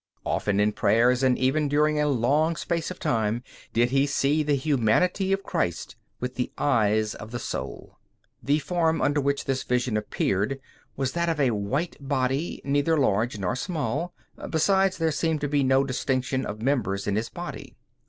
Often in prayer, and even during a long space of time, did he see the humanity of Christ with the eyes of the soul. The form under which this vision appeared was that of a white body, neither large nor small; besides, there seemed to be no distinction of members in His body.